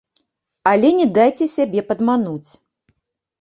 Але не дайце сябе падмануць.